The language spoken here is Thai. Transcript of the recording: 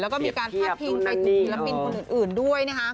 แล้วก็มีการพาดพิงไปถึงศิลปินคนอื่นด้วย